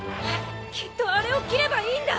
きっとあれを斬ればいいんだ！